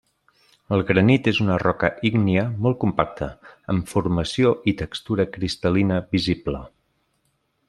El granit és una roca ígnia molt compacta amb formació i textura cristal·lina visible.